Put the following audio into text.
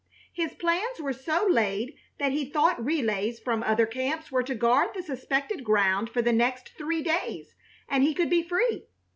His plans were so laid that he thought relays from other camps were to guard the suspected ground for the next three days and he could be free.